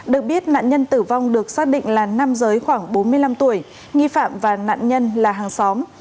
được biết nạn nhân tử vong được xác định là nam giới khoảng bốn mươi năm tuổi nghi phạm và nạn nhân là hàng xóm